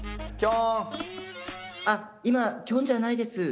あっ、今、きょんじゃないです。